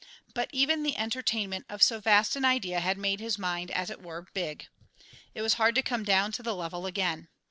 But even the entertainment of so vast an idea had made his mind, as it were, big; it was hard to come down to the level again.